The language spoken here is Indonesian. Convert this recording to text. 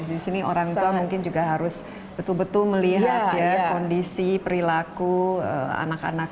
di sini orang tua mungkin juga harus betul betul melihat ya kondisi perilaku anak anak